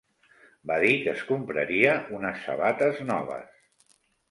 Va dir que es compraria unes sabates noves.